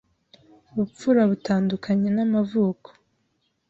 b u pfura b uta n d u ka n y e n’a m a v u ko